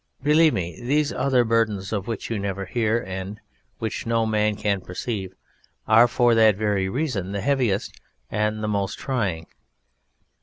Believe me, these other Burdens of which you never hear, and which no man can perceive, are for that very reason the heaviest and the most trying.